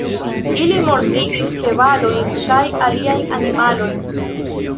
Ili mortigis ĉevalojn kaj aliajn animalojn.